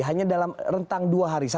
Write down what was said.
hanya dalam rentang dua hari saja